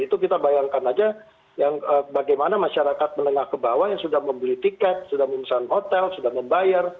itu kita bayangkan aja bagaimana masyarakat menengah ke bawah yang sudah membeli tiket sudah memesan hotel sudah membayar